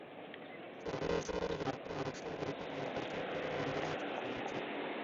主要生物学功能是作为动物和真菌的能量储存物质。